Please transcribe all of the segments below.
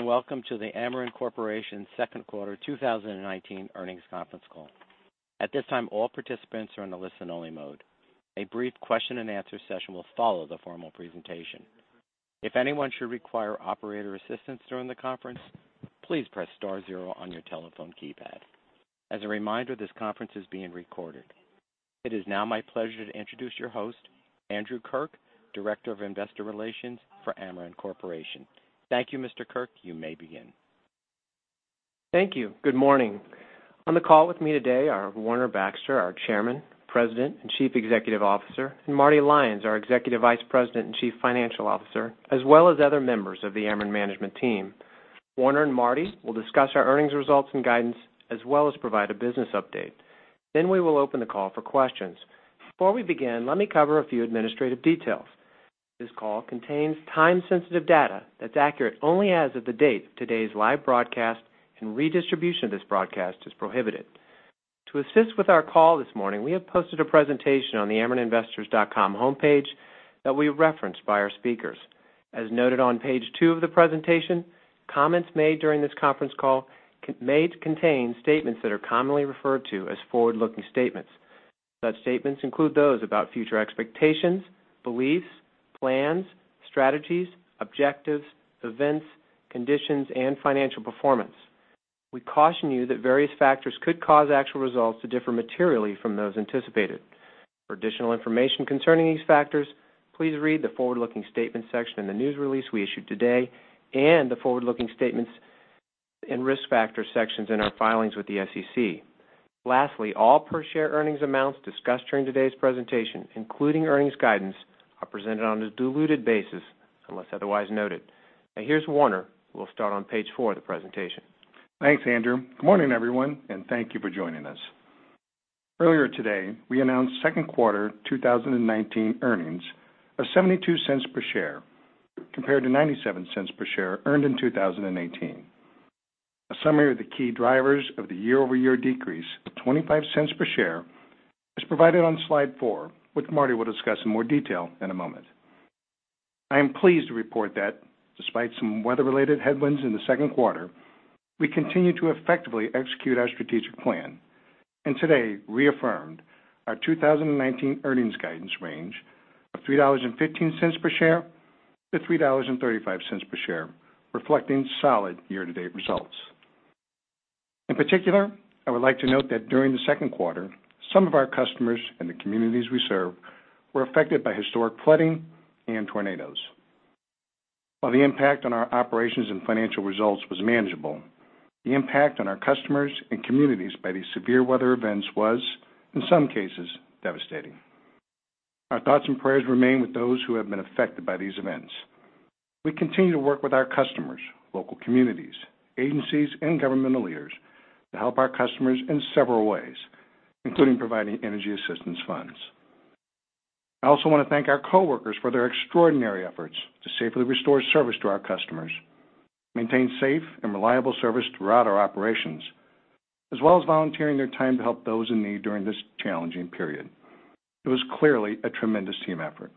Welcome to the Ameren Corporation second quarter 2019 earnings conference call. At this time, all participants are in a listen-only mode. A brief question and answer session will follow the formal presentation. If anyone should require operator assistance during the conference, please press star zero on your telephone keypad. As a reminder, this conference is being recorded. It is now my pleasure to introduce your host, Andrew Kirk, Director of Investor Relations for Ameren Corporation. Thank you, Mr. Kirk. You may begin. Thank you. Good morning. On the call with me today are Warner Baxter, our Chairman, President, and Chief Executive Officer, and Marty Lyons, our Executive Vice President and Chief Financial Officer, as well as other members of the Ameren management team. Warner and Marty will discuss our earnings results and guidance, as well as provide a business update. We will open the call for questions. Before we begin, let me cover a few administrative details. This call contains time-sensitive data that's accurate only as of the date of today's live broadcast, and redistribution of this broadcast is prohibited. To assist with our call this morning, we have posted a presentation on the amereninvestors.com homepage that will be referenced by our speakers. As noted on page two of the presentation, comments made during this conference call may contain statements that are commonly referred to as forward-looking statements. Such statements include those about future expectations, beliefs, plans, strategies, objectives, events, conditions, and financial performance. We caution you that various factors could cause actual results to differ materially from those anticipated. For additional information concerning these factors, please read the forward-looking statements section in the news release we issued today and the forward-looking statements and risk factors sections in our filings with the SEC. Lastly, all per share earnings amounts discussed during today's presentation, including earnings guidance, are presented on a diluted basis unless otherwise noted. Now here's Warner, who will start on page four of the presentation. Thanks, Andrew. Good morning, everyone, and thank you for joining us. Earlier today, we announced second quarter 2019 earnings of $0.72 per share, compared to $0.97 per share earned in 2018. A summary of the key drivers of the year-over-year decrease of $0.25 per share is provided on slide four, which Marty will discuss in more detail in a moment. I am pleased to report that despite some weather-related headwinds in the second quarter, we continue to effectively execute our strategic plan. Today reaffirmed our 2019 earnings guidance range of $3.15 per share to $3.35 per share, reflecting solid year-to-date results. In particular, I would like to note that during the second quarter, some of our customers in the communities we serve were affected by historic flooding and tornadoes. While the impact on our operations and financial results was manageable, the impact on our customers and communities by these severe weather events was, in some cases, devastating. Our thoughts and prayers remain with those who have been affected by these events. We continue to work with our customers, local communities, agencies, and governmental leaders to help our customers in several ways, including providing energy assistance funds. I also want to thank our coworkers for their extraordinary efforts to safely restore service to our customers, maintain safe and reliable service throughout our operations, as well as volunteering their time to help those in need during this challenging period. It was clearly a tremendous team effort.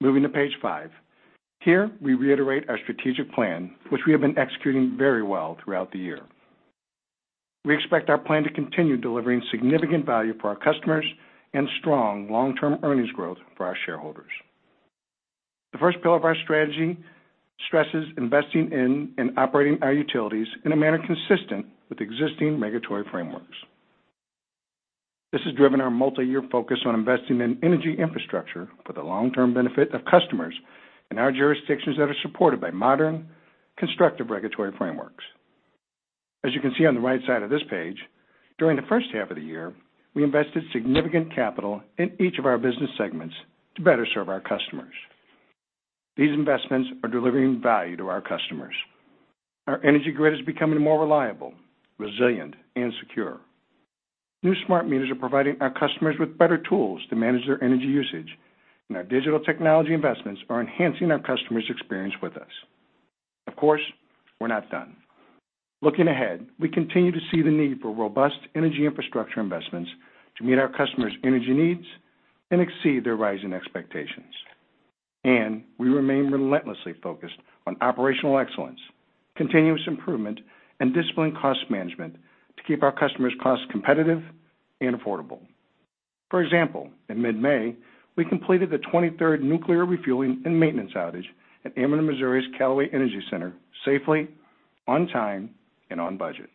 Moving to page five. Here, we reiterate our strategic plan, which we have been executing very well throughout the year. We expect our plan to continue delivering significant value for our customers and strong long-term earnings growth for our shareholders. The first pillar of our strategy stresses investing in and operating our utilities in a manner consistent with existing regulatory frameworks. This has driven our multi-year focus on investing in energy infrastructure for the long-term benefit of customers in our jurisdictions that are supported by modern, constructive regulatory frameworks. As you can see on the right side of this page, during the first half of the year, we invested significant capital in each of our business segments to better serve our customers. These investments are delivering value to our customers. Our energy grid is becoming more reliable, resilient, and secure. New smart meters are providing our customers with better tools to manage their energy usage, and our digital technology investments are enhancing our customers' experience with us. Of course, we're not done. Looking ahead, we continue to see the need for robust energy infrastructure investments to meet our customers' energy needs and exceed their rising expectations. We remain relentlessly focused on operational excellence, continuous improvement, and disciplined cost management to keep our customers' costs competitive and affordable. For example, in mid-May, we completed the 23rd nuclear refueling and maintenance outage at Ameren Missouri's Callaway Energy Center safely, on time, and on budget.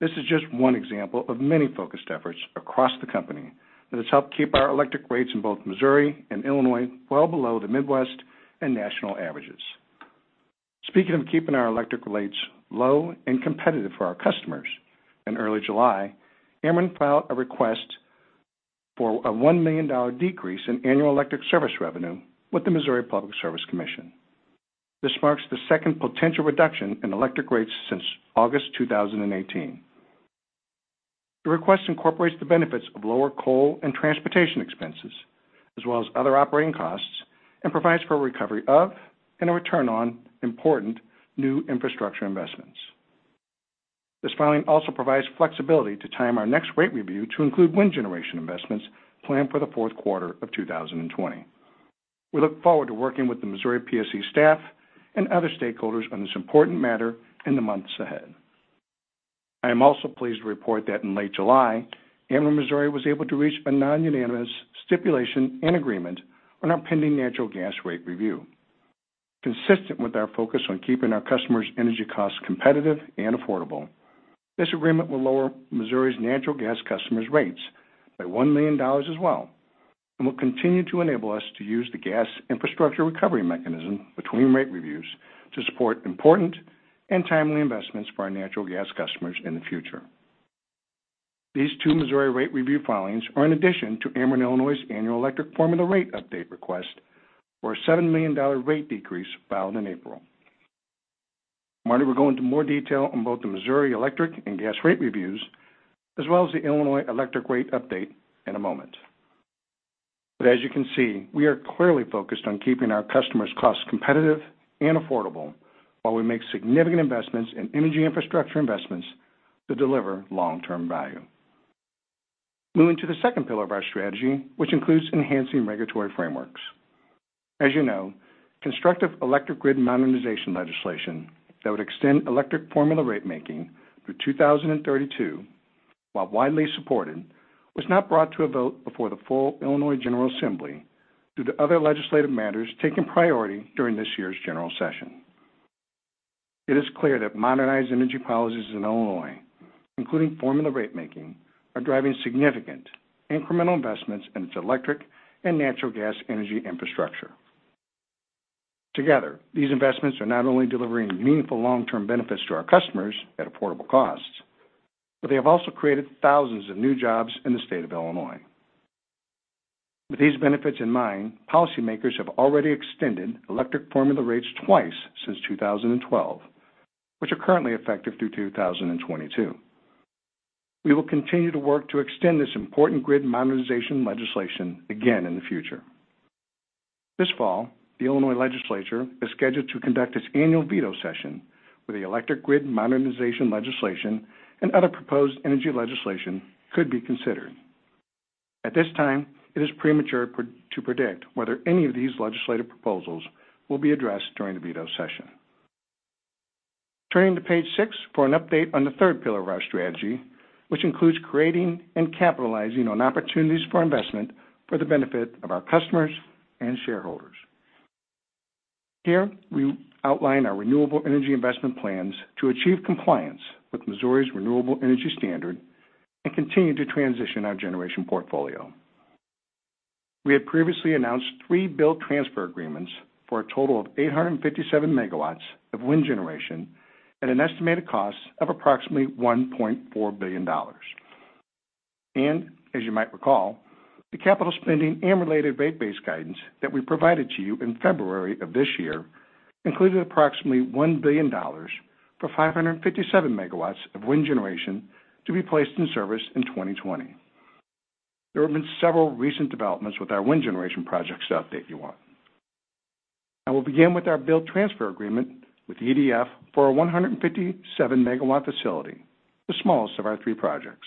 This is just one example of many focused efforts across the company that has helped keep our electric rates in both Missouri and Illinois well below the Midwest and national averages. Speaking of keeping our electric rates low and competitive for our customers, in early July, Ameren filed a request for a $1 million decrease in annual electric service revenue with the Missouri Public Service Commission. This marks the second potential reduction in electric rates since August 2018. The request incorporates the benefits of lower coal and transportation expenses, as well as other operating costs, and provides for recovery of and a return on important new infrastructure investments. This filing also provides flexibility to time our next rate review to include wind generation investments planned for the fourth quarter of 2020. We look forward to working with the Missouri PSC staff and other stakeholders on this important matter in the months ahead. I am also pleased to report that in late July, Ameren Missouri was able to reach a non-unanimous stipulation and agreement on our pending natural gas rate review. Consistent with our focus on keeping our customers' energy costs competitive and affordable, this agreement will lower Missouri's natural gas customers' rates by $1 million as well, and will continue to enable us to use the gas infrastructure recovery mechanism between rate reviews to support important and timely investments for our natural gas customers in the future. These two Missouri rate review filings are in addition to Ameren Illinois's annual electric formula rate update request for a $7 million rate decrease filed in April. Marty will go into more detail on both the Missouri electric and gas rate reviews, as well as the Illinois electric rate update in a moment. As you can see, we are clearly focused on keeping our customers' costs competitive and affordable while we make significant investments in energy infrastructure investments that deliver long-term value. Moving to the second pillar of our strategy, which includes enhancing regulatory frameworks. As you know, constructive electric grid modernization legislation that would extend electric formula rate making through 2032, while widely supported, was not brought to a vote before the full Illinois General Assembly due to other legislative matters taking priority during this year's general session. It is clear that modernized energy policies in Illinois, including formula rate making, are driving significant incremental investments in its electric and natural gas energy infrastructure. Together, these investments are not only delivering meaningful long-term benefits to our customers at affordable costs, but they have also created thousands of new jobs in the state of Illinois. With these benefits in mind, policymakers have already extended electric formula rates twice since 2012, which are currently effective through 2022. We will continue to work to extend this important grid modernization legislation again in the future. This fall, the Illinois General Assembly is scheduled to conduct its annual veto session, where the electric grid modernization legislation and other proposed energy legislation could be considered. At this time, it is premature to predict whether any of these legislative proposals will be addressed during the veto session. Turning to page six for an update on the third pillar of our strategy, which includes creating and capitalizing on opportunities for investment for the benefit of our customers and shareholders. Here, we outline our renewable energy investment plans to achieve compliance with Missouri Renewable Energy Standard and continue to transition our generation portfolio. We have previously announced three build transfer agreements for a total of 857 MW of wind generation at an estimated cost of approximately $1.4 billion. As you might recall, the capital spending and related rate base guidance that we provided to you in February of this year included approximately $1 billion for 557 megawatts of wind generation to be placed in service in 2020. There have been several recent developments with our wind generation projects to update you on. I will begin with our build transfer agreement with EDF for a 157-megawatt facility, the smallest of our three projects.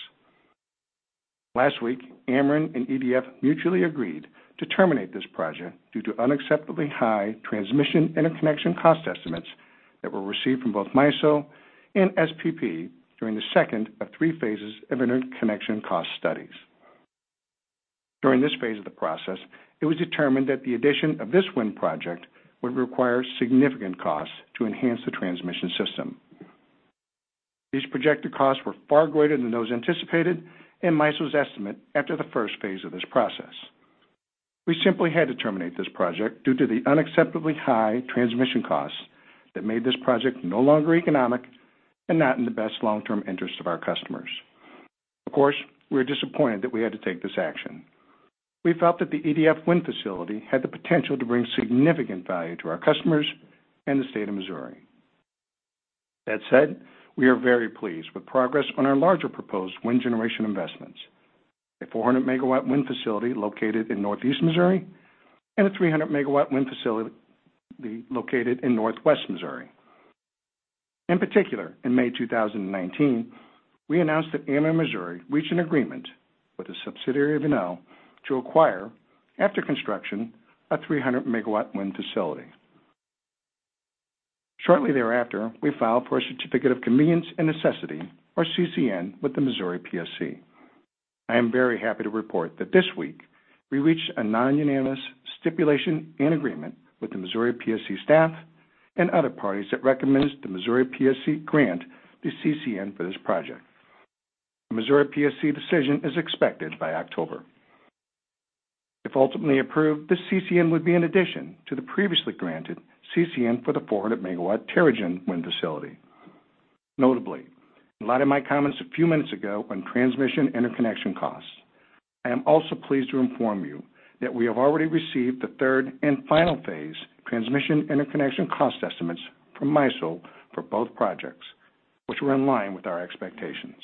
Last week, Ameren and EDF mutually agreed to terminate this project due to unacceptably high transmission interconnection cost estimates that were received from both MISO and SPP during the second of three phases of interconnection cost studies. During this phase of the process, it was determined that the addition of this wind project would require significant costs to enhance the transmission system. These projected costs were far greater than those anticipated in MISO's estimate after the first phase of this process. We simply had to terminate this project due to the unacceptably high transmission costs that made this project no longer economic and not in the best long-term interest of our customers. Of course, we're disappointed that we had to take this action. We felt that the EDF wind facility had the potential to bring significant value to our customers and the state of Missouri. That said, we are very pleased with progress on our larger proposed wind generation investments, a 400-megawatt wind facility located in northeast Missouri and a 300-megawatt wind facility located in northwest Missouri. In particular, in May 2019, we announced that Ameren Missouri reached an agreement with a subsidiary of Enel to acquire, after construction, a 300-megawatt wind facility. Shortly thereafter, we filed for a Certificate of Convenience and Necessity, or CCN, with the Missouri PSC. I am very happy to report that this week we reached a non-unanimous stipulation and agreement with the Missouri PSC staff and other parties that recommends the Missouri PSC grant the CCN for this project. A Missouri PSC decision is expected by October. If ultimately approved, this CCN would be an addition to the previously granted CCN for the 400-megawatt Terra-Gen wind facility. Notably, in light of my comments a few minutes ago on transmission interconnection costs, I am also pleased to inform you that we have already received the third and final phase transmission interconnection cost estimates from MISO for both projects, which were in line with our expectations.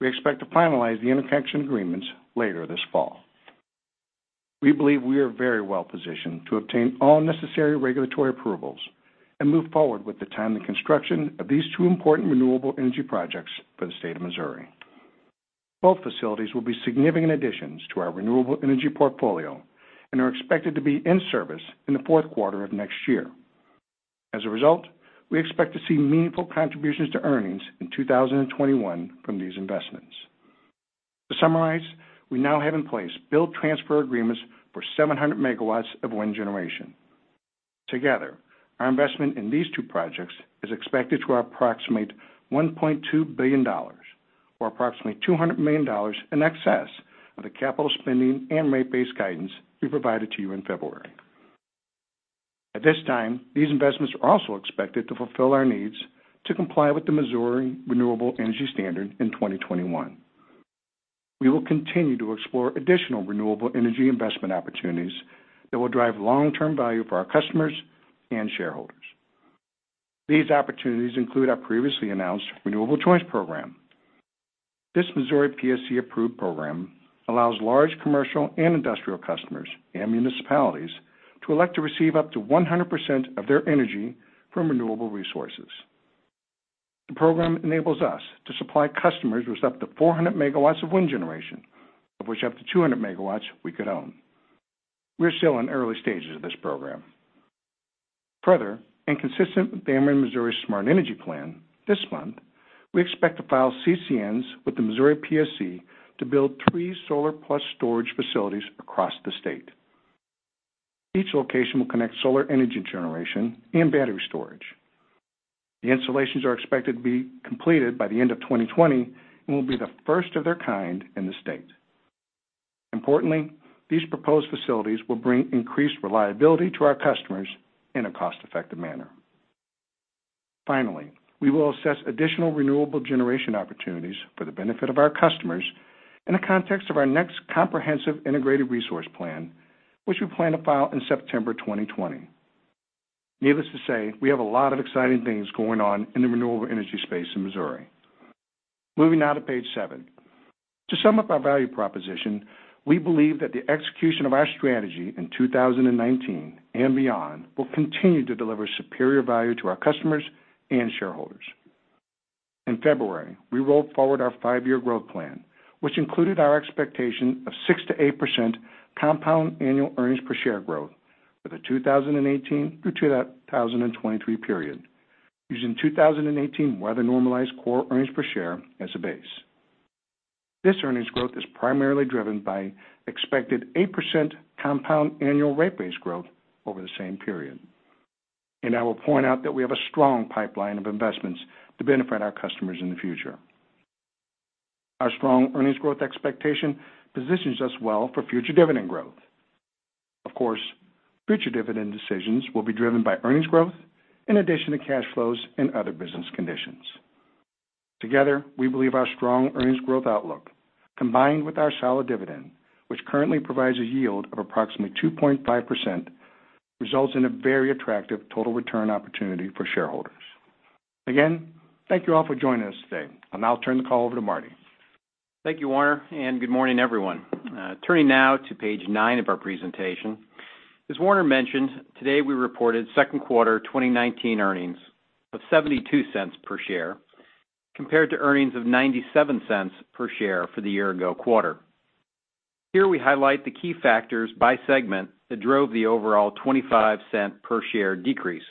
We expect to finalize the interconnection agreements later this fall. We believe we are very well positioned to obtain all necessary regulatory approvals and move forward with the timely construction of these two important renewable energy projects for the state of Missouri. Both facilities will be significant additions to our renewable energy portfolio and are expected to be in service in the fourth quarter of next year. We expect to see meaningful contributions to earnings in 2021 from these investments. We now have in place build transfer agreements for 700 megawatts of wind generation. Our investment in these two projects is expected to approximate $1.2 billion, or approximately $200 million in excess of the capital spending and rate base guidance we provided to you in February. At this time, these investments are also expected to fulfill our needs to comply with the Missouri Renewable Energy Standard in 2021. We will continue to explore additional renewable energy investment opportunities that will drive long-term value for our customers and shareholders. These opportunities include our previously announced Renewable Choice Program. This Missouri PSC-approved program allows large commercial and industrial customers and municipalities to elect to receive up to 100% of their energy from renewable resources. The program enables us to supply customers with up to 400 megawatts of wind generation, of which up to 200 megawatts we could own. We're still in early stages of this program. Further, consistent with Ameren Missouri's Smart Energy Plan, this month, we expect to file CCNs with the Missouri PSC to build three solar-plus-storage facilities across the state. Each location will connect solar energy generation and battery storage. The installations are expected to be completed by the end of 2020 and will be the first of their kind in the state. Importantly, these proposed facilities will bring increased reliability to our customers in a cost-effective manner. Finally, we will assess additional renewable generation opportunities for the benefit of our customers in the context of our next comprehensive integrated resource plan, which we plan to file in September 2020. Needless to say, we have a lot of exciting things going on in the renewable energy space in Missouri. Moving now to page seven. To sum up our value proposition, we believe that the execution of our strategy in 2019 and beyond will continue to deliver superior value to our customers and shareholders. In February, we rolled forward our five-year growth plan, which included our expectation of 6% to 8% compound annual earnings per share growth for the 2018 through 2023 period, using 2018 weather-normalized core earnings per share as a base. This earnings growth is primarily driven by expected 8% compound annual rate base growth over the same period. I will point out that we have a strong pipeline of investments to benefit our customers in the future. Our strong earnings growth expectation positions us well for future dividend growth. Of course, future dividend decisions will be driven by earnings growth in addition to cash flows and other business conditions. Together, we believe our strong earnings growth outlook, combined with our solid dividend, which currently provides a yield of approximately 2.5%, results in a very attractive total return opportunity for shareholders. Again, thank you all for joining us today. I'll now turn the call over to Marty. Thank you, Warner, and good morning, everyone. Turning now to page nine of our presentation. As Warner mentioned, today, we reported second quarter 2019 earnings of $0.72 per share, compared to earnings of $0.97 per share for the year-ago quarter. Here, we highlight the key factors by segment that drove the overall $0.25 per share decrease.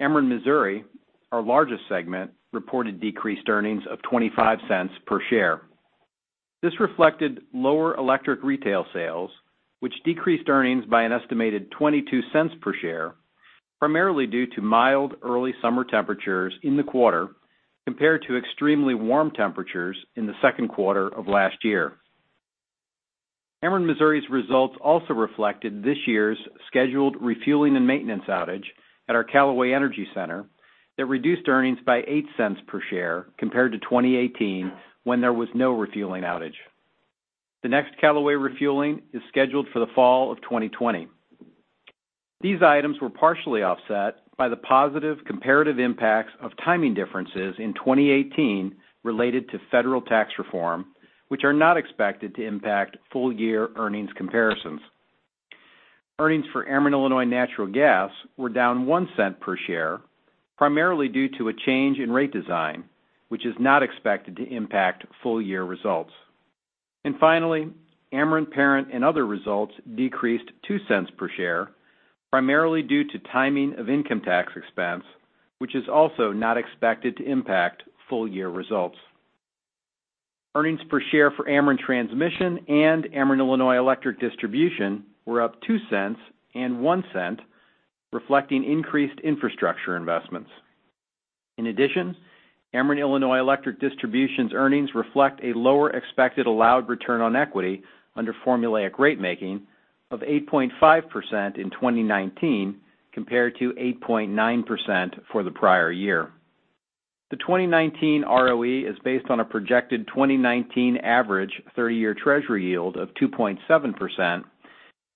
Ameren Missouri, our largest segment, reported decreased earnings of $0.25 per share. This reflected lower electric retail sales, which decreased earnings by an estimated $0.22 per share, primarily due to mild early summer temperatures in the quarter compared to extremely warm temperatures in the second quarter of last year. Ameren Missouri's results also reflected this year's scheduled refueling and maintenance outage at our Callaway Energy Center that reduced earnings by $0.08 per share compared to 2018 when there was no refueling outage. The next Callaway refueling is scheduled for the fall of 2020. These items were partially offset by the positive comparative impacts of timing differences in 2018 related to federal tax reform, which are not expected to impact full-year earnings comparisons. Earnings for Ameren Illinois Natural Gas were down $0.01 per share, primarily due to a change in rate design, which is not expected to impact full-year results. Finally, Ameren Parent and Other results decreased $0.02 per share, primarily due to timing of income tax expense, which is also not expected to impact full-year results. Earnings per share for Ameren Transmission and Ameren Illinois Electric Distribution were up $0.02 and $0.01, reflecting increased infrastructure investments. In addition, Ameren Illinois Electric Distribution's earnings reflect a lower expected allowed return on equity under formula rate making of 8.5% in 2019 compared to 8.9% for the prior year. The 2019 ROE is based on a projected 2019 average 30-year Treasury yield of 2.7%,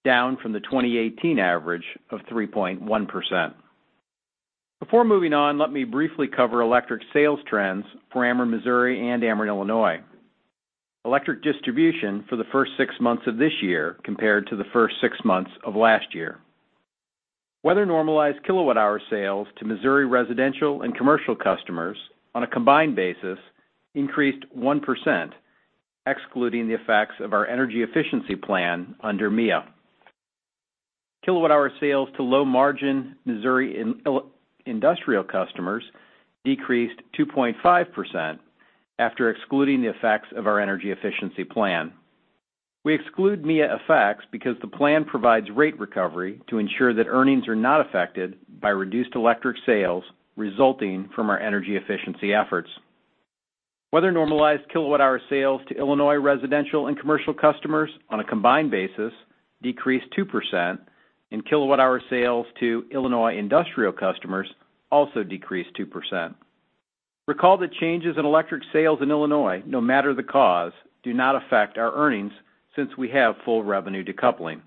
down from the 2018 average of 3.1%. Before moving on, let me briefly cover electric sales trends for Ameren Missouri and Ameren Illinois. Electric distribution for the first six months of this year compared to the first six months of last year. Weather-normalized kilowatt-hour sales to Missouri residential and commercial customers on a combined basis increased 1%, excluding the effects of our energy efficiency plan under MEEIA. Kilowatt-hour sales to low-margin Missouri industrial customers decreased 2.5% after excluding the effects of our energy efficiency plan. We exclude MEEIA effects because the plan provides rate recovery to ensure that earnings are not affected by reduced electric sales resulting from our energy efficiency efforts. Weather-normalized kilowatt-hour sales to Illinois residential and commercial customers on a combined basis decreased 2%. Kilowatt-hour sales to Illinois industrial customers also decreased 2%. Recall that changes in electric sales in Illinois, no matter the cause, do not affect our earnings, since we have full revenue decoupling.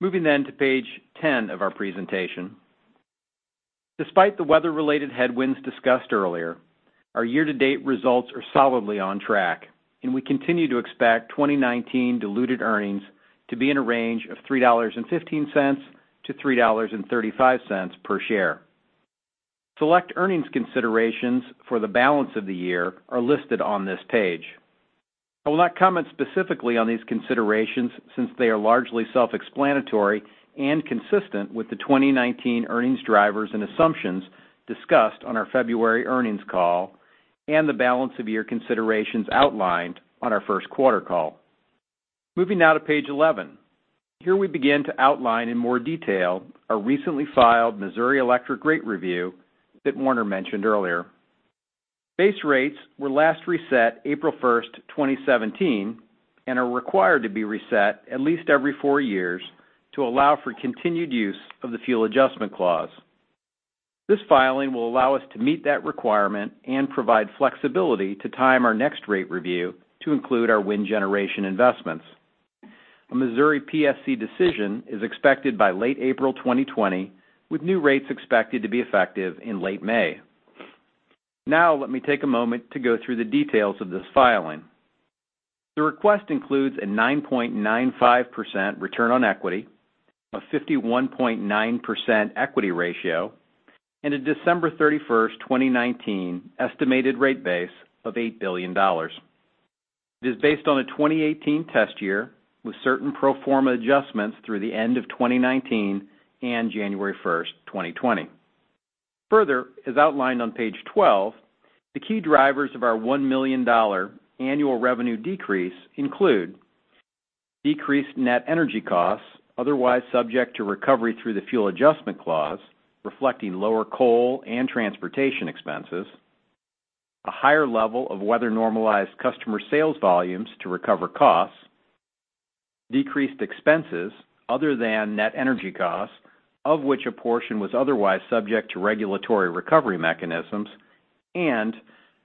Moving to page 10 of our presentation. Despite the weather-related headwinds discussed earlier, our year-to-date results are solidly on track, and we continue to expect 2019 diluted earnings to be in a range of $3.15 to $3.35 per share. Select earnings considerations for the balance of the year are listed on this page. I will not comment specifically on these considerations since they are largely self-explanatory and consistent with the 2019 earnings drivers and assumptions discussed on our February earnings call and the balance of year considerations outlined on our first quarter call. Moving now to page 11. Here we begin to outline in more detail our recently filed Missouri electric rate review that Warner mentioned earlier. Base rates were last reset April 1st, 2017, and are required to be reset at least every four years to allow for continued use of the fuel adjustment clause. This filing will allow us to meet that requirement and provide flexibility to time our next rate review to include our wind generation investments. A Missouri PSC decision is expected by late April 2020, with new rates expected to be effective in late May. Let me take a moment to go through the details of this filing. The request includes a 9.95% return on equity, a 51.9% equity ratio, and a December 31st, 2019, estimated rate base of $8 billion. It is based on a 2018 test year with certain pro forma adjustments through the end of 2019 and January 1st, 2020. As outlined on page 12, the key drivers of our $1 million annual revenue decrease include decreased net energy costs, otherwise subject to recovery through the fuel adjustment clause reflecting lower coal and transportation expenses, a higher level of weather-normalized customer sales volumes to recover costs, decreased expenses other than net energy costs, of which a portion was otherwise subject to regulatory recovery mechanisms, and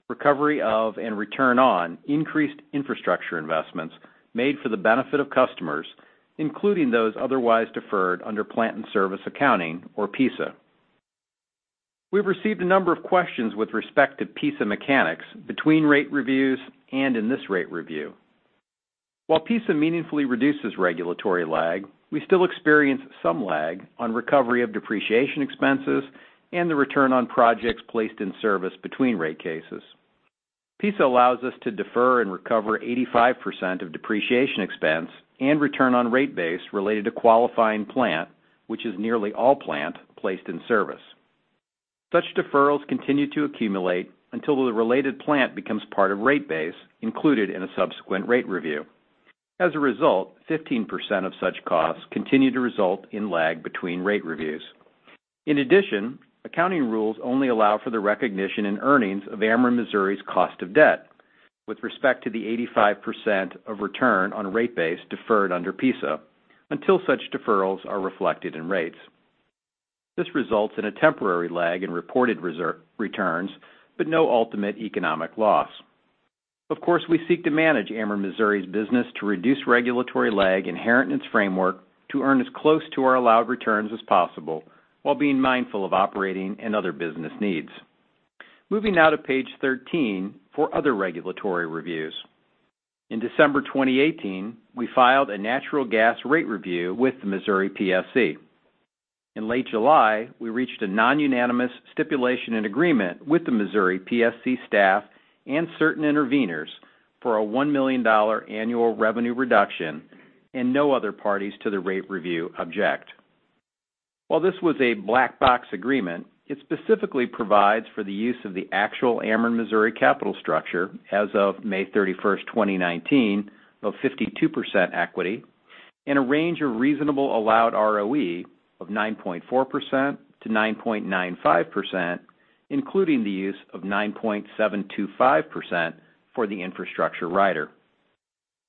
recovery of and return on increased infrastructure investments made for the benefit of customers, including those otherwise deferred under Plant-in-Service Accounting or PISA. We've received a number of questions with respect to PISA mechanics between rate reviews and in this rate review. While PISA meaningfully reduces regulatory lag, we still experience some lag on recovery of depreciation expenses and the return on projects placed in service between rate cases. PISA allows us to defer and recover 85% of depreciation expense and return on rate base related to qualifying plant, which is nearly all plant placed in service. Such deferrals continue to accumulate until the related plant becomes part of rate base included in a subsequent rate review. As a result, 15% of such costs continue to result in lag between rate reviews. In addition, accounting rules only allow for the recognition and earnings of Ameren Missouri's cost of debt with respect to the 85% of return on rate base deferred under PISA, until such deferrals are reflected in rates. This results in a temporary lag in reported returns, but no ultimate economic loss. Of course, we seek to manage Ameren Missouri's business to reduce regulatory lag inherent in its framework to earn as close to our allowed returns as possible while being mindful of operating and other business needs. Moving now to page 13 for other regulatory reviews. In December 2018, we filed a natural gas rate review with the Missouri PSC. In late July, we reached a non-unanimous stipulation and agreement with the Missouri PSC staff and certain interveners for a $1 million annual revenue reduction and no other parties to the rate review object. While this was a black box agreement, it specifically provides for the use of the actual Ameren Missouri capital structure as of May 31st, 2019, of 52% equity and a range of reasonable allowed ROE of 9.4%-9.95%, including the use of 9.725% for the infrastructure rider.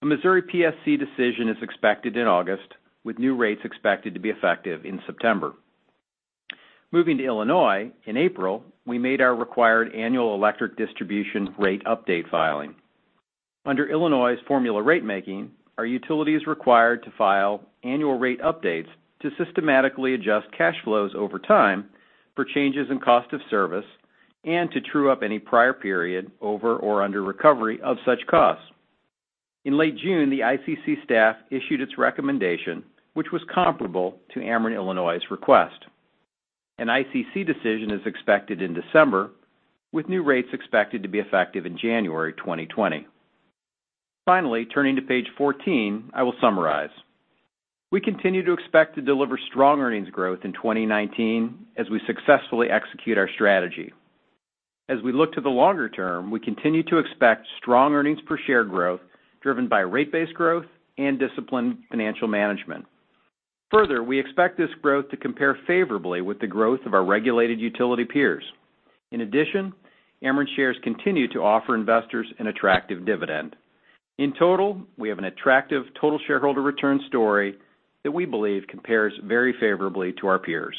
A Missouri PSC decision is expected in August, with new rates expected to be effective in September. Moving to Illinois, in April, we made our required annual electric distribution rate update filing. Under Illinois' formula rate making, our utility is required to file annual rate updates to systematically adjust cash flows over time for changes in cost of service and to true up any prior period over or under recovery of such costs. In late June, the ICC staff issued its recommendation, which was comparable to Ameren Illinois' request. An ICC decision is expected in December, with new rates expected to be effective in January 2020. Turning to page 14, I will summarize. We continue to expect to deliver strong earnings growth in 2019 as we successfully execute our strategy. As we look to the longer term, we continue to expect strong earnings per share growth, driven by rate-based growth and disciplined financial management. We expect this growth to compare favorably with the growth of our regulated utility peers. Ameren shares continue to offer investors an attractive dividend. In total, we have an attractive total shareholder return story that we believe compares very favorably to our peers.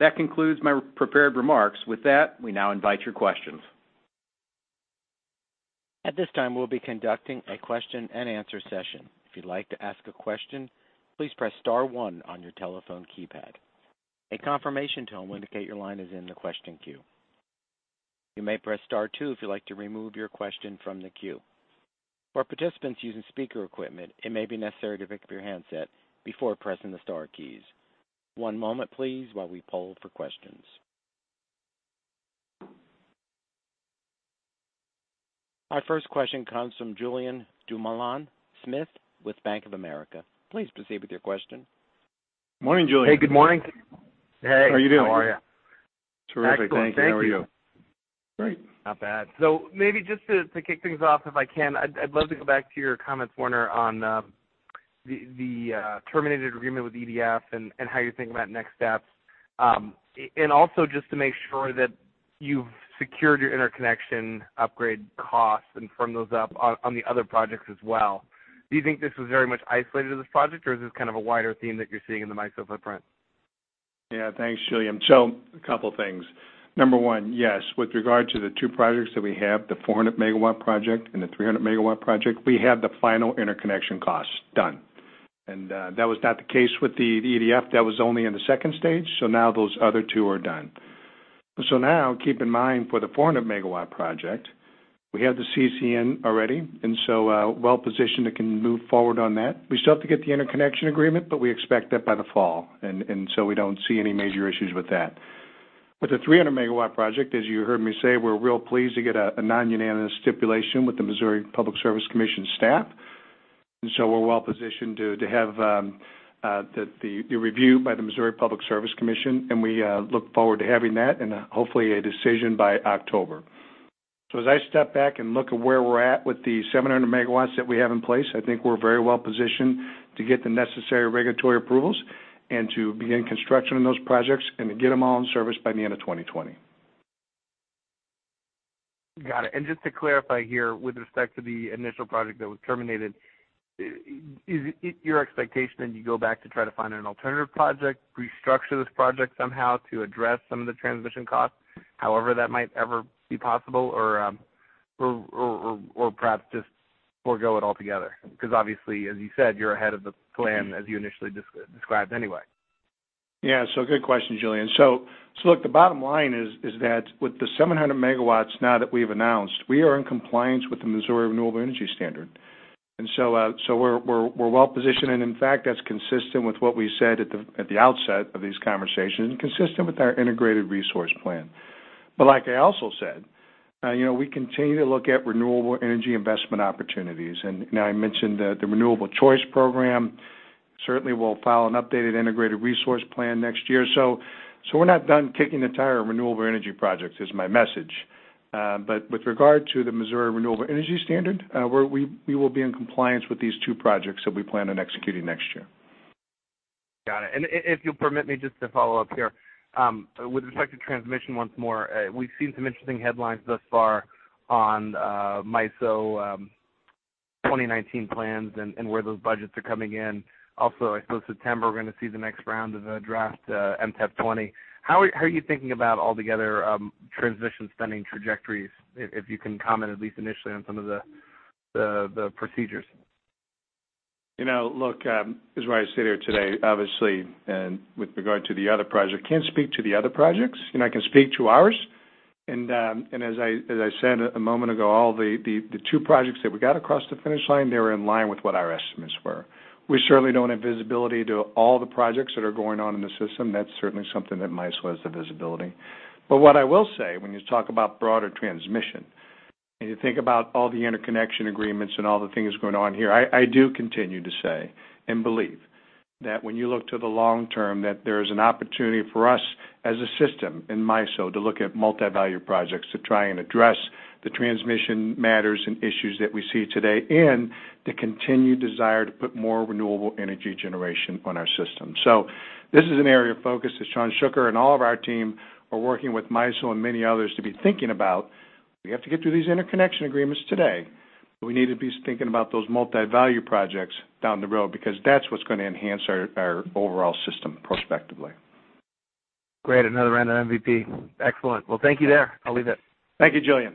That concludes my prepared remarks. With that, we now invite your questions. At this time, we'll be conducting a question and answer session. If you'd like to ask a question, please press star 1 on your telephone keypad. A confirmation tone will indicate your line is in the question queue. You may press star 2 if you'd like to remove your question from the queue. For participants using speaker equipment, it may be necessary to pick up your handset before pressing the star keys. One moment, please, while we poll for questions. Our first question comes from Julien Dumoulin-Smith with Bank of America. Please proceed with your question. Morning, Julien. Hey, good morning. Hey. How are you? Terrific, thank you. How are you? Excellent, thank you. Great. Not bad. Maybe just to kick things off, if I can, I'd love to go back to your comments, Warner, on the terminated agreement with EDF and how you're thinking about next steps. Also just to make sure that you've secured your interconnection upgrade costs and firmed those up on the other projects as well. Do you think this is very much isolated to this project, or is this kind of a wider theme that you're seeing in the MISO footprint? Thanks, Julien. A couple things. Number one, yes, with regard to the two projects that we have, the 400-MW project and the 300-MW project, we have the final interconnection costs done. That was not the case with the EDF. That was only in the stage 2, so now those other two are done. Now keep in mind for the 400-MW project, we have the CCN already, and so well-positioned and can move forward on that. We still have to get the interconnection agreement, but we expect that by the fall. We don't see any major issues with that. With the 300-MW project, as you heard me say, we're real pleased to get a non-unanimous stipulation with the Missouri Public Service Commission staff. We're well-positioned to have the review by the Missouri Public Service Commission, and we look forward to having that and hopefully a decision by October. As I step back and look at where we're at with the 700 megawatts that we have in place, I think we're very well-positioned to get the necessary regulatory approvals and to begin construction on those projects and to get them all in service by the end of 2020. Got it. Just to clarify here, with respect to the initial project that was terminated, is it your expectation that you go back to try to find an alternative project, restructure this project somehow to address some of the transmission costs, however that might ever be possible or perhaps just forego it altogether? Obviously, as you said, you're ahead of the plan as you initially described anyway. Good question, Julien. Look, the bottom line is that with the 700 MW now that we've announced, we are in compliance with the Missouri Renewable Energy Standard. We're well-positioned, and in fact, that's consistent with what we said at the outset of these conversations and consistent with our integrated resource plan. Like I also said, you know, we continue to look at renewable energy investment opportunities. You know, I mentioned the Renewable Choice Program certainly will file an updated integrated resource plan next year. We're not done kicking the tire on renewable energy projects is my message. With regard to the Missouri Renewable Energy Standard, we will be in compliance with these two projects that we plan on executing next year. Got it. If you'll permit me just to follow up here, with respect to transmission once more, we've seen some interesting headlines thus far on MISO 2019 plans and where those budgets are coming in. Also, I suppose September, we're going to see the next round of the draft MTEP 20. How are you thinking about altogether transmission spending trajectories? If you can comment at least initially on some of the procedures. You know, look, as why I sit here today, obviously, and with regard to the other project, can't speak to the other projects. You know, I can speak to ours. As I said a moment ago, all the two projects that we got across the finish line, they were in line with what our estimates were. We certainly don't have visibility to all the projects that are going on in the system. That's certainly something that MISO has the visibility. What I will say, when you talk about broader transmission and you think about all the interconnection agreements and all the things going on here, I do continue to say and believe that when you look to the long term, that there's an opportunity for us as a system in MISO to look at multi-value projects to try and address the transmission matters and issues that we see today and the continued desire to put more renewable energy generation on our system. This is an area of focus that Shawn Schukar and all of our team are working with MISO and many others to be thinking about. We have to get through these interconnection agreements today, we need to be thinking about those multi-value projects down the road because that's what's going to enhance our overall system prospectively. Great. Another random MVP. Excellent. Well, thank you there. I'll leave it. Thank you, Julien.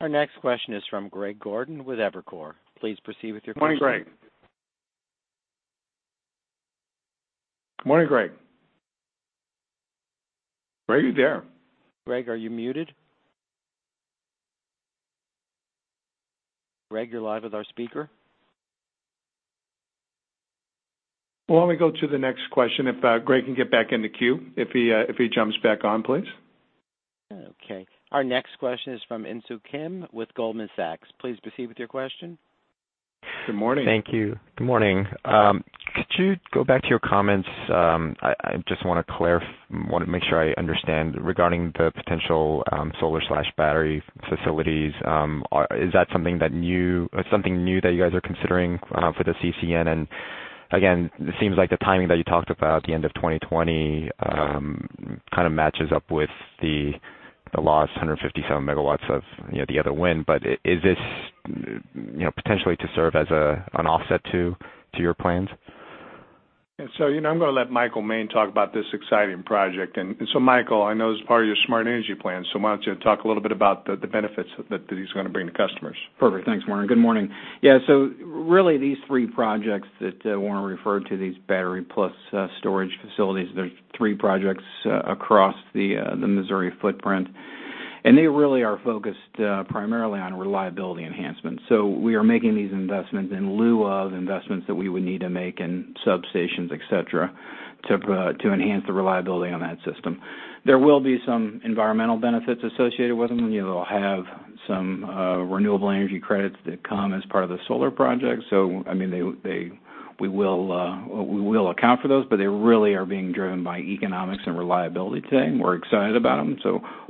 Our next question is from Greg Gordon with Evercore. Please proceed with your question. Morning, Greg. Good morning, Greg. Greg, are you there? Greg, are you muted? Greg, you're live with our speaker. Why don't we go to the next question if Greg can get back in the queue, if he jumps back on, please. Okay. Our next question is from Insoo Kim with Goldman Sachs. Please proceed with your question. Good morning. Thank you. Good morning. Could you go back to your comments? I just want to make sure I understand regarding the potential solar/battery facilities. Is that something new that you guys are considering for the CCN? Again, it seems like the timing that you talked about, the end of 2020, kind of matches up with the lost 157 MW of the other wind. Is this potentially to serve as an offset to your plans? I'm going to let Michael Moehn talk about this exciting project. Michael, I know this is part of your Smart Energy Plan, so why don't you talk a little bit about the benefits that this is going to bring to customers? Perfect. Thanks, Warner. Good morning. Really these three projects that Warner referred to, these battery plus storage facilities, they're three projects across the Missouri footprint. They really are focused primarily on reliability enhancement. We are making these investments in lieu of investments that we would need to make in substations, et cetera, to enhance the reliability on that system. There will be some environmental benefits associated with them. They'll have some renewable energy credits that come as part of the solar project. We will account for those, but they really are being driven by economics and reliability today, and we're excited about them.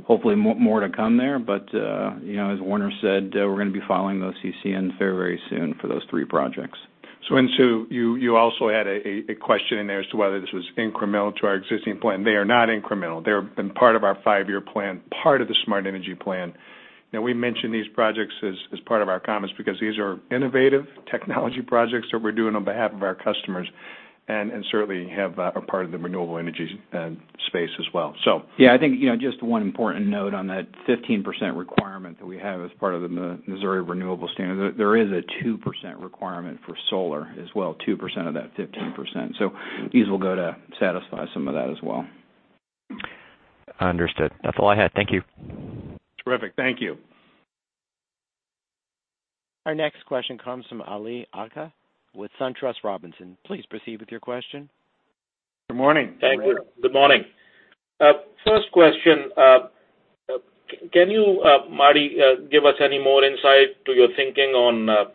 Hopefully more to come there. As Warner said, we're going to be filing those CCNs very soon for those three projects. Insoo, you also had a question in there as to whether this was incremental to our existing plan. They are not incremental. They have been part of our five-year plan, part of the Smart Energy Plan. We mention these projects as part of our comments because these are innovative technology projects that we're doing on behalf of our customers and certainly have a part of the renewable energy space as well. Yeah, I think, just one important note on that 15% requirement that we have as part of the Missouri Renewable Standard, there is a 2% requirement for solar as well, 2% of that 15%. These will go to satisfy some of that as well. Understood. That's all I had. Thank you. Terrific. Thank you. Our next question comes from Ali Agha with SunTrust Robinson. Please proceed with your question. Good morning. Thank you. Good morning. First question, can you, Marty, give us any more insight to your thinking on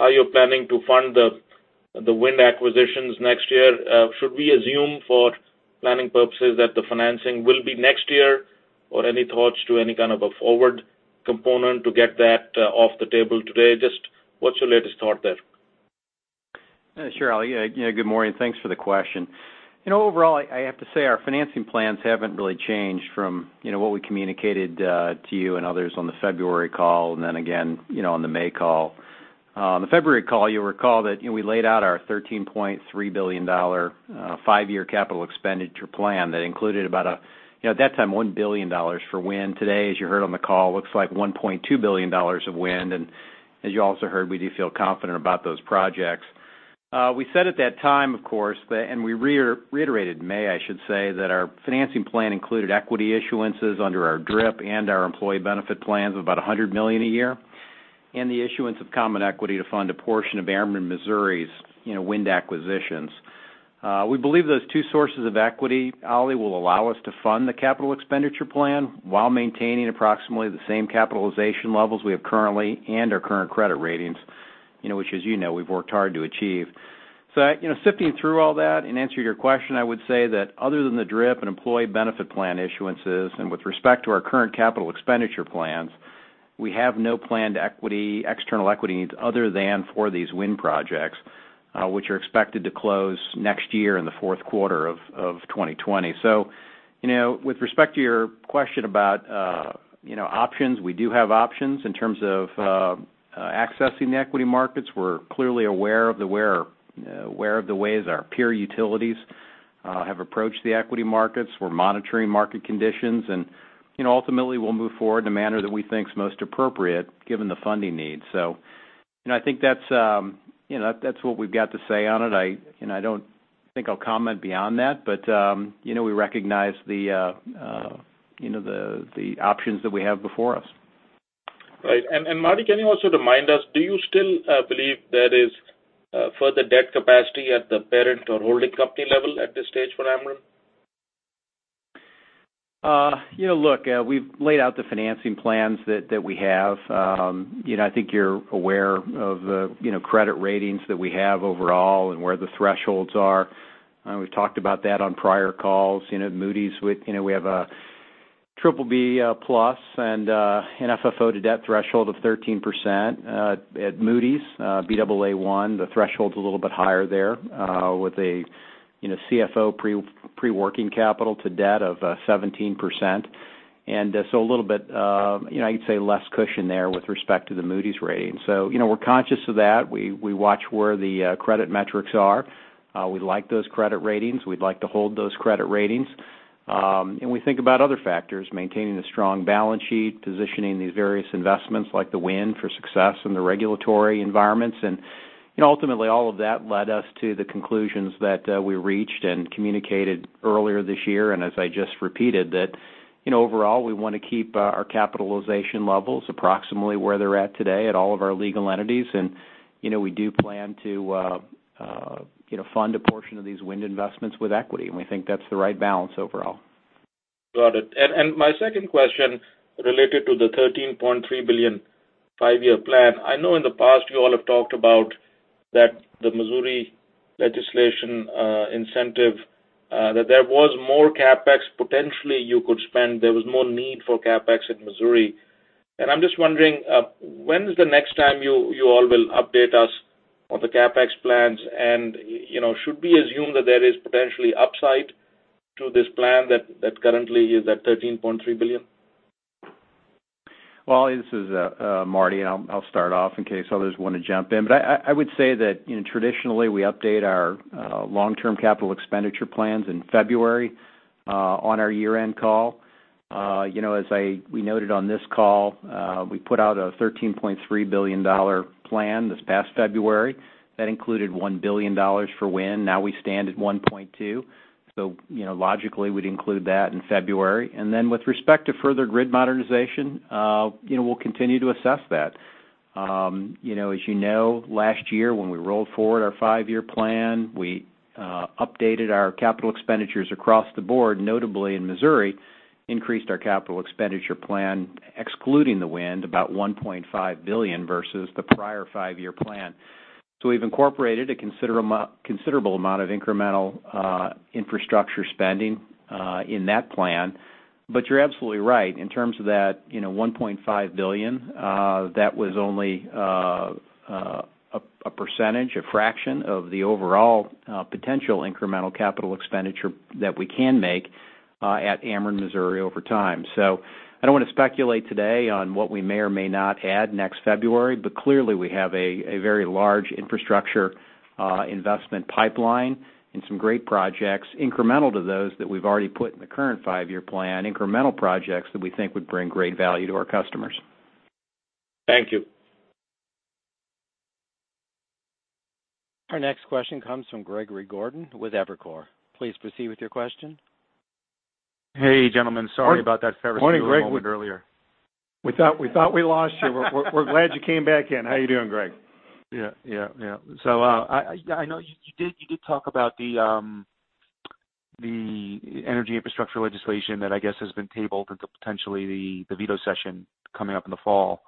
how you're planning to fund the wind acquisitions next year? Should we assume for planning purposes that the financing will be next year? Any thoughts to any kind of a forward component to get that off the table today? Just what's your latest thought there? Sure, Ali. Good morning. Thanks for the question. Overall, I have to say our financing plans haven't really changed from what we communicated to you and others on the February call, and then again, on the May call. On the February call, you'll recall that we laid out our $13.3 billion five-year capital expenditure plan that included about, at that time, $1 billion for wind. Today, as you heard on the call, looks like $1.2 billion of wind. As you also heard, we do feel confident about those projects. We said at that time, of course, and we reiterated in May, I should say, that our financing plan included equity issuances under our DRIP and our employee benefit plans of about $100 million a year, and the issuance of common equity to fund a portion of Ameren Missouri's wind acquisitions. We believe those two sources of equity, Ali, will allow us to fund the capital expenditure plan while maintaining approximately the same capitalization levels we have currently and our current credit ratings, which as you know, we've worked hard to achieve. Sifting through all that, in answer to your question, I would say that other than the DRIP and employee benefit plan issuances, and with respect to our current capital expenditure plans, we have no planned external equity needs other than for these wind projects, which are expected to close next year in the fourth quarter of 2020. With respect to your question about options, we do have options in terms of accessing the equity markets. We're clearly aware of the ways our peer utilities have approached the equity markets. We're monitoring market conditions. Ultimately, we'll move forward in a manner that we think is most appropriate given the funding needs. I think that's what we've got to say on it. I don't think I'll comment beyond that, but we recognize the options that we have before us. Right. Marty, can you also remind us, do you still believe there is further debt capacity at the parent or holding company level at this stage for Ameren? Look, we've laid out the financing plans that we have. I think you're aware of the credit ratings that we have overall and where the thresholds are. We've talked about that on prior calls. Moody's, we have a BBB+ and an FFO to debt threshold of 13%. At Moody's, Baa1, the threshold's a little bit higher there with a CFO pre-working capital to debt of 17%. A little bit, I'd say less cushion there with respect to the Moody's rating. We're conscious of that. We watch where the credit metrics are. We like those credit ratings. We'd like to hold those credit ratings. We think about other factors, maintaining a strong balance sheet, positioning these various investments like the wind for success in the regulatory environments. Ultimately, all of that led us to the conclusions that we reached and communicated earlier this year, and as I just repeated, that overall, we want to keep our capitalization levels approximately where they're at today at all of our legal entities. We do plan to fund a portion of these wind investments with equity, and we think that's the right balance overall. Got it. My second question related to the $13.3 billion five-year plan. I know in the past you all have talked about that the Missouri legislation incentive, that there was more CapEx potentially you could spend. There was more need for CapEx in Missouri. I'm just wondering, when is the next time you all will update us on the CapEx plans, and should we assume that there is potentially upside to this plan that currently is at $13.3 billion? Well, this is Marty. I'll start off in case others want to jump in. I would say that traditionally we update our long-term capital expenditure plans in February on our year-end call. As we noted on this call, we put out a $13.3 billion plan this past February. That included $1 billion for wind. Now we stand at $1.2 billion. Logically, we'd include that in February. With respect to further grid modernization, we'll continue to assess that. As you know, last year when we rolled forward our five-year plan, we updated our capital expenditures across the board, notably in Ameren Missouri, increased our capital expenditure plan, excluding the wind, about $1.5 billion versus the prior five-year plan. We've incorporated a considerable amount of incremental infrastructure spending in that plan. You're absolutely right, in terms of that $1.5 billion, that was only a percentage, a fraction of the overall potential incremental capital expenditure that we can make at Ameren Missouri over time. I don't want to speculate today on what we may or may not add next February, but clearly we have a very large infrastructure investment pipeline and some great projects incremental to those that we've already put in the current five-year plan, incremental projects that we think would bring great value to our customers. Thank you. Our next question comes from Greg Gordon with Evercore. Please proceed with your question. Hey, gentlemen. Sorry about that service- Morning, Greg. a little bit earlier. We thought we lost you. We're glad you came back in. How you doing, Greg? Yeah. I know you did talk about the energy infrastructure legislation that I guess has been tabled until potentially the veto session coming up in the fall.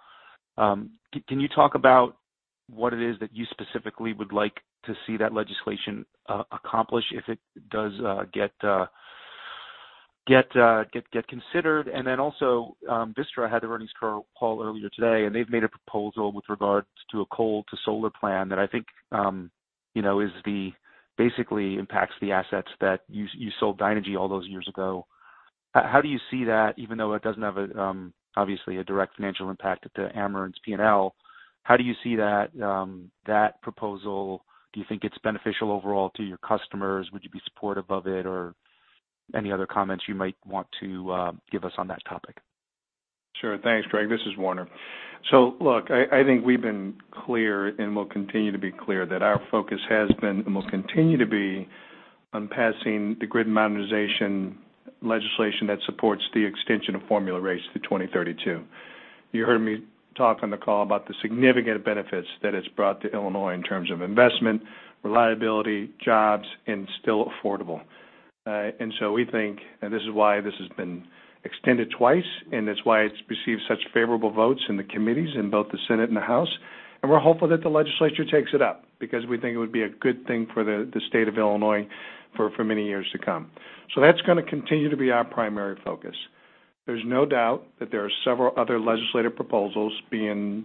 Can you talk about what it is that you specifically would like to see that legislation accomplish if it does get considered? Also, Vistra had their earnings call earlier today, and they've made a proposal with regards to a coal-to-solar plan that I think basically impacts the assets that you sold Dynegy all those years ago. How do you see that, even though it doesn't have, obviously, a direct financial impact to Ameren's P&L, how do you see that proposal? Do you think it's beneficial overall to your customers? Would you be supportive of it, or any other comments you might want to give us on that topic? Sure. Thanks, Greg. This is Warner. Look, I think we've been clear and will continue to be clear that our focus has been, and will continue to be, on passing the grid modernization legislation that supports the extension of formula rates through 2032. You heard me talk on the call about the significant benefits that it's brought to Illinois in terms of investment, reliability, jobs, and still affordable. We think, and this is why this has been extended twice, and it's why it's received such favorable votes in the committees in both the Senate and the House, and we're hopeful that the legislature takes it up, because we think it would be a good thing for the State of Illinois for many years to come. That's going to continue to be our primary focus. There's no doubt that there are several other legislative proposals being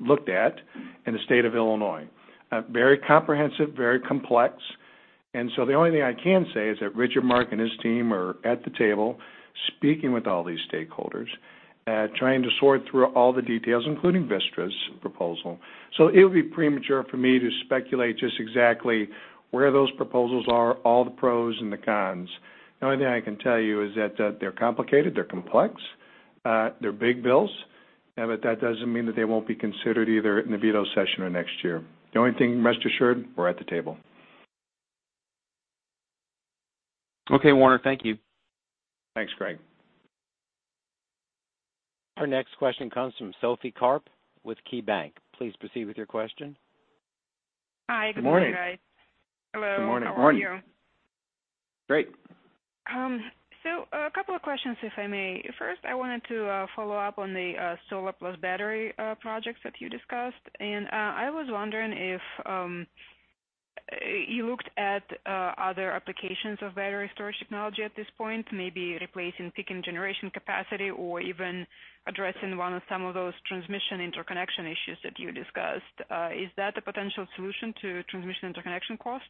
looked at in the State of Illinois. Very comprehensive, very complex. The only thing I can say is that Richard Mark and his team are at the table speaking with all these stakeholders, trying to sort through all the details, including Vistra's proposal. It would be premature for me to speculate just exactly where those proposals are, all the pros and the cons. The only thing I can tell you is that they're complicated, they're complex, they're big bills, but that doesn't mean that they won't be considered either in the veto session or next year. The only thing, rest assured, we're at the table. Okay, Warner. Thank you. Thanks, Greg. Our next question comes from Sophie Karp with KeyBanc. Please proceed with your question. Hi, good morning, guys. Good morning. Hello. Good morning. How are you? Great. A couple of questions, if I may. First, I wanted to follow up on the solar plus battery projects that you discussed. I was wondering if you looked at other applications of battery storage technology at this point, maybe replacing peak in generation capacity or even addressing some of those transmission interconnection issues that you discussed. Is that a potential solution to transmission interconnection costs?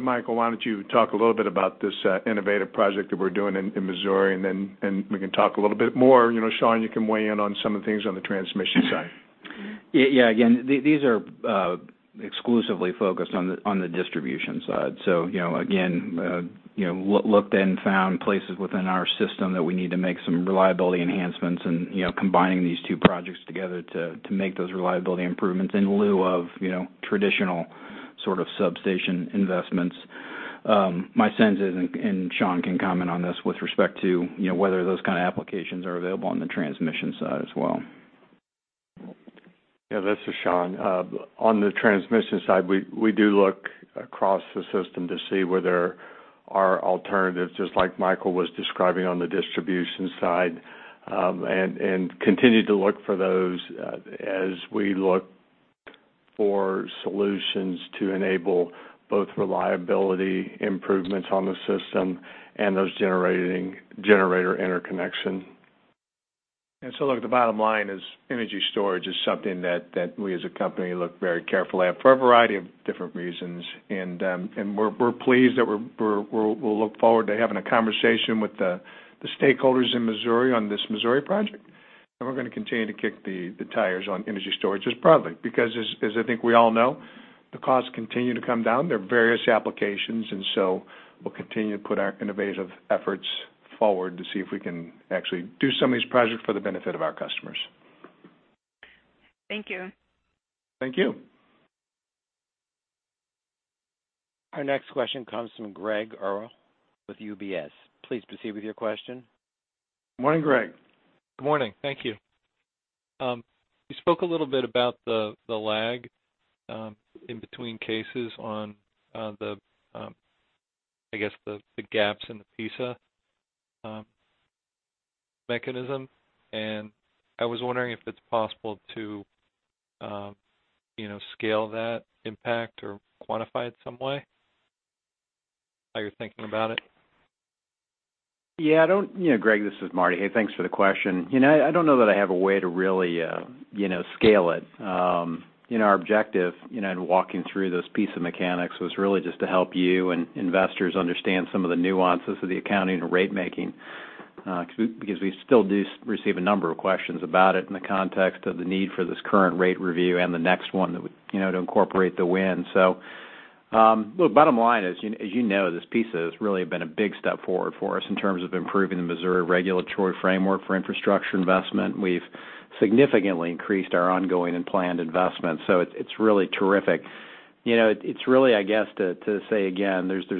Michael, why don't you talk a little bit about this innovative project that we're doing in Missouri, and we can talk a little bit more, Shawn, you can weigh in on some of the things on the transmission side. Yeah. Again, these are exclusively focused on the distribution side. Again, looked and found places within our system that we need to make some reliability enhancements and combining these two projects together to make those reliability improvements in lieu of traditional sort of substation investments. My sense is, Shawn can comment on this with respect to whether those kind of applications are available on the transmission side as well. Yeah, this is Shawn. On the transmission side, we do look across the system to see where there are alternatives, just like Michael was describing on the distribution side, and continue to look for those as we look for solutions to enable both reliability improvements on the system and those generator interconnection. Look, the bottom line is energy storage is something that we as a company look very carefully at for a variety of different reasons. We're pleased that we'll look forward to having a conversation with the stakeholders in Missouri on this Missouri project. We're going to continue to kick the tires on energy storage just broadly, because as I think we all know, the costs continue to come down. There are various applications, so we'll continue to put our innovative efforts forward to see if we can actually do some of these projects for the benefit of our customers. Thank you. Thank you. Our next question comes from Gregg Orrill with UBS. Please proceed with your question. Morning, Greg. Good morning. Thank you. You spoke a little bit about the lag in between cases on the, I guess, the gaps in the PISA mechanism. I was wondering if it's possible to scale that impact or quantify it some way? How you're thinking about it? Greg, this is Marty. Hey, thanks for the question. I don't know that I have a way to really scale it. Our objective in walking through those PISA mechanics was really just to help you and investors understand some of the nuances of the accounting and rate making, because we still do receive a number of questions about it in the context of the need for this current rate review and the next one to incorporate the wind. Look, bottom line is, as you know, this PISA has really been a big step forward for us in terms of improving the Missouri regulatory framework for infrastructure investment. We've significantly increased our ongoing and planned investments, so it's really terrific. It's really, I guess, to say again, there's still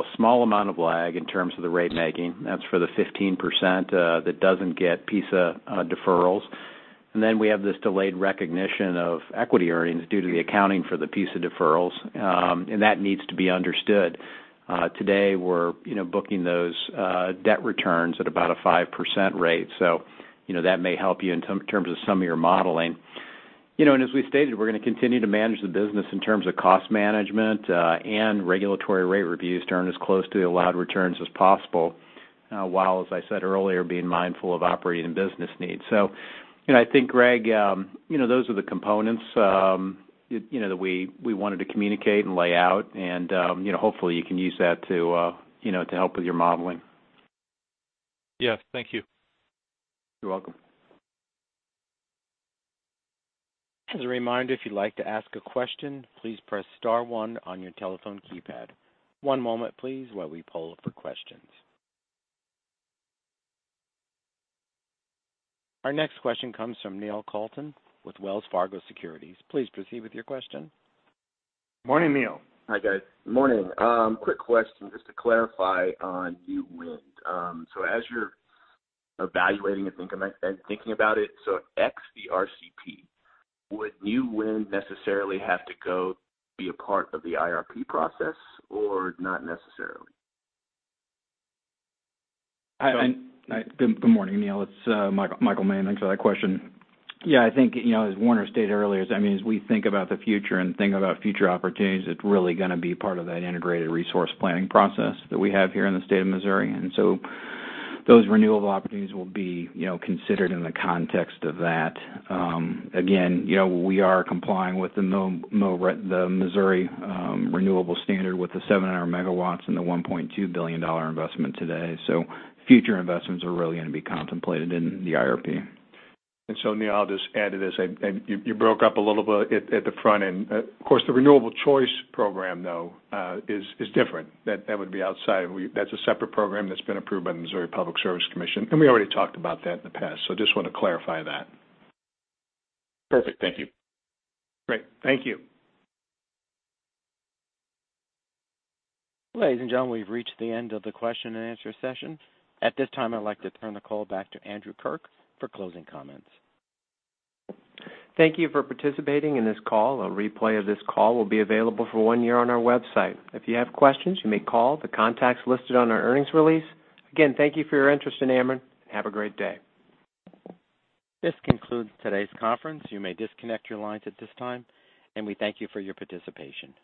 a small amount of lag in terms of the rate making. That's for the 15% that doesn't get PISA deferrals. We have this delayed recognition of equity earnings due to the accounting for the PISA deferrals, and that needs to be understood. Today, we're booking those debt returns at about a 5% rate, that may help you in terms of some of your modeling. As we stated, we're going to continue to manage the business in terms of cost management, and regulatory rate reviews to earn as close to the allowed returns as possible, while, as I said earlier, being mindful of operating business needs. I think, Greg, those are the components that we wanted to communicate and lay out and hopefully you can use that to help with your modeling. Yeah. Thank you. You're welcome. As a reminder, if you'd like to ask a question, please press star one on your telephone keypad. One moment, please, while we poll for questions. Our next question comes from Neil Kalton with Wells Fargo Securities. Please proceed with your question. Morning, Neil. Hi, guys. Morning. Quick question just to clarify on new wind. As you're evaluating and thinking about it, so X the RCP, would new wind necessarily have to go be a part of the IRP process or not necessarily? Good morning, Neil. It's Michael Moehn. Thanks for that question. Yeah, I think, as Warner stated earlier, as we think about the future and think about future opportunities, it's really going to be part of that integrated resource planning process that we have here in the state of Missouri. Those renewable opportunities will be considered in the context of that. Again, we are complying with the Missouri Renewable Energy Standard with the 700 megawatts and the $1.2 billion investment today. Future investments are really going to be contemplated in the IRP. Neil, I'll just add to this. You broke up a little bit at the front end. Of course, the Renewable Choice Program, though, is different. That would be outside. That's a separate program that's been approved by the Missouri Public Service Commission, and we already talked about that in the past. Just want to clarify that. Perfect. Thank you. Great. Thank you. Ladies and gentlemen, we've reached the end of the question and answer session. At this time, I'd like to turn the call back to Andrew Kirk for closing comments. Thank you for participating in this call. A replay of this call will be available for one year on our website. If you have questions, you may call the contacts listed on our earnings release. Again, thank you for your interest in Ameren, and have a great day. This concludes today's conference. You may disconnect your lines at this time, and we thank you for your participation.